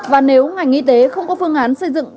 và nếu ngành y tế không có phương án xây dựng